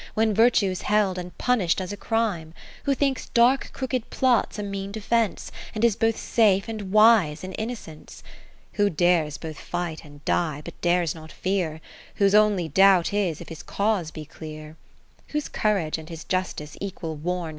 When Virtue's held and punish'd as a crime Who thinks dark crooked plots a mean defence. And is both safe and wise in Inno cence ; Who dares both fight and die, but dares not fear ; Whose only doubt is, if his cause be clear ; 60 Whose Courage and his Justice equal worn.